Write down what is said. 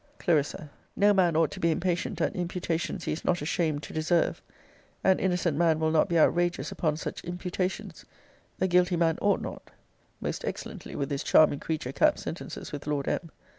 Cl. No man ought to be impatient at imputations he is not ashamed to deserve. An innocent man will not be outrageous upon such imputations. A guilty man ought not. [Most excellently would this charming creature cap sentences with Lord M.!